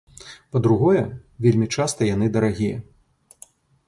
Па-другое, вельмі часта яны дарагія.